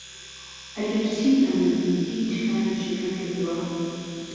ئهگەرچی ئهمن هیچ کاریشم نهکردووه